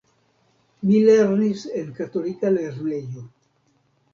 Mi lernis en katolika lernejo.